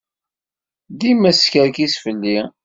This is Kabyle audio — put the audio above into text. Dima teskerkis fell-i.